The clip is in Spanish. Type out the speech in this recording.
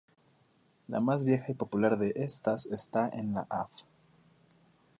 La más vieja y popular de estas esta en la Av.